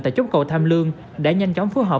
tại chốt cầu tham lương đã nhanh chóng phối hợp